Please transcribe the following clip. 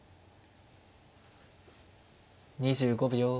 ２５秒。